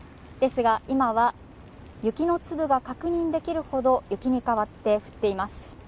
ですが、今は雪の粒が確認できるほど、雪に変わってきています。